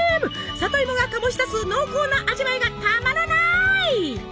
里芋が醸し出す濃厚な味わいがたまらない！